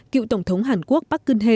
cựu tổng thống hàn quốc park geun hye